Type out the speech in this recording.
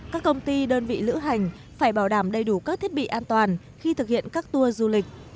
các công ty đơn vị lữ hành phải bảo đảm đầy đủ các thiết bị an toàn khi thực hiện các tour du lịch